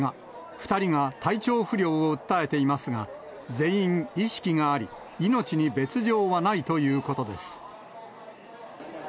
２人が体調不良を訴えていますが、全員、意識があり、命に別状はないということです。